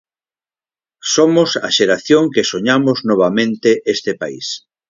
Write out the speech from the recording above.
Somos a xeración que soñamos novamente este país.